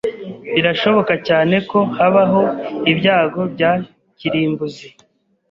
Birashoboka cyane ko habaho ibyago bya kirimbuzi.